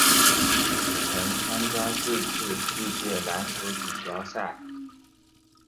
曾参加四次世界篮球锦标赛。